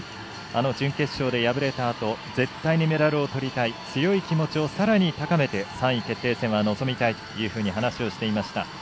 準決勝で敗れたあと絶対にメダルをとりたい強い気持ちを、さらに高めて３位決定戦は臨みたいというふうに話をしていました。